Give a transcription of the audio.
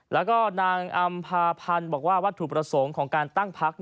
แล้วก็นางอำภาพันธ์บอกว่าวัตถุประสงค์ของการตั้งพัก